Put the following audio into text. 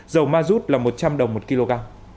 dầu ma rút là một trăm linh đồng một kg